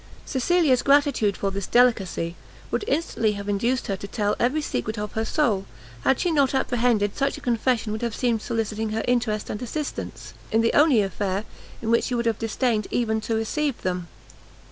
Cecilia's gratitude for this delicacy, would instantly have induced her to tell every secret of her soul, had she not apprehended such a confession would have seemed soliciting her interest and assistance, in the only affair in which she would have disdained even to receive them.